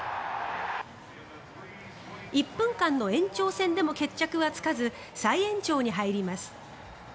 １分間の延長戦でも決着はつかず再延長に入ります。